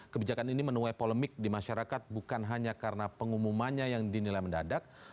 kebijakan ini menuai polemik di masyarakat bukan hanya karena pengumumannya yang dinilai mendadak